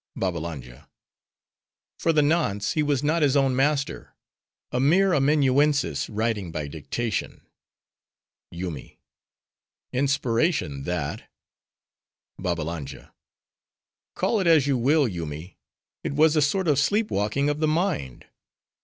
BABBALANJA—For the nonce, he was not his own master: a mere amanuensis writing by dictation. YOOMY—Inspiration, that! BABBALANJA.—Call it as you will, Yoomy, it was a sort of sleep walking of the mind.